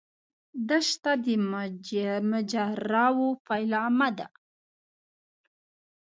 دښته د ماجراوو پیلامه ده.